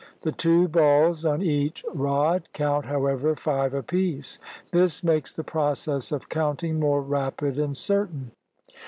The two balls on each rod count, however, five apiece. This makes the process of counting more rapid and certain.